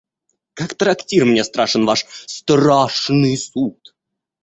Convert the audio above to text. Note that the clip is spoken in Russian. Как трактир, мне страшен ваш страшный суд!